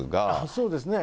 そうですね。